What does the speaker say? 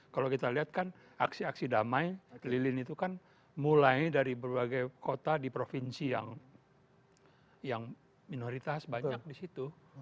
kalau kita lihat kan aksi aksi damai kelilin itu kan mulai dari berbagai kota di provinsi yang minoritas banyak di situ